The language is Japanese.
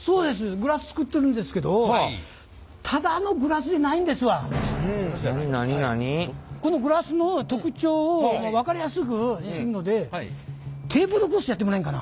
グラス作ってるんですけどこのグラスの特徴を分かりやすくするのでテーブルクロスやってもらえんかな？